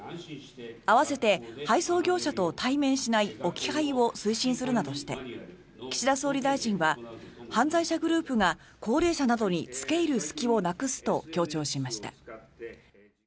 併せて配送業者と対面しない置き配を推進するなどして岸田総理大臣は犯罪者グループが高齢者などに付け入る隙をなくすと強調しました。